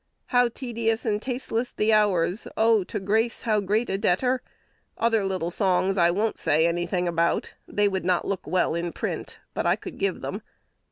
'How tedious and tasteless the hours.' 'Oh! to grace how great a debtor!' Other little songs I won't say any thing about: they would not look well in print; but I could give them."